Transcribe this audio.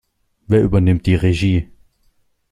Wer übernimmt die Regie?